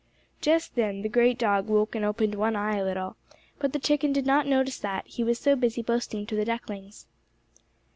Just then the great dog woke and opened one eye a little, but the chicken did not notice that, he was so busy boasting to the ducklings.